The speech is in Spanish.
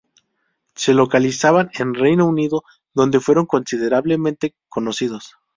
Se localizaban en Reino Unido donde fueron considerablemente conocidos.